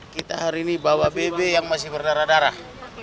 kita hari ini bawa bebek yang masih berdarah darah